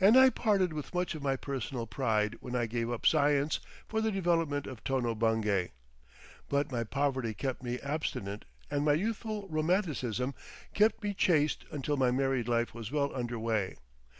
And I parted with much of my personal pride when I gave up science for the development of Tono Bungay. But my poverty kept me abstinent and my youthful romanticism kept me chaste until my married life was well under way.